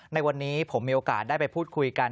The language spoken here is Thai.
ในวันนี้ผมมีโอกาสได้ไปพูดคุยกัน